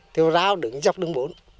thì hữu hào đứng dọc đường bốn